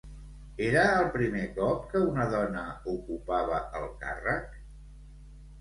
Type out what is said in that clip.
Era el primer cop que una dona ocupava el càrrec?